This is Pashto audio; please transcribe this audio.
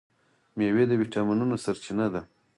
میوې د ویټامینونو سرچینه ده.